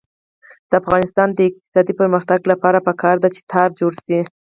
د افغانستان د اقتصادي پرمختګ لپاره پکار ده چې تار جوړ شي.